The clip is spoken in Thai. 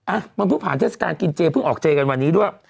อ่ะมันเพิ่งผ่านเทศกาลกินเจเพิ่งออกเจกันวันนี้ด้วย